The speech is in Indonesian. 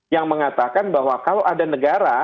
yang mengatakan bahwa kalau ada negara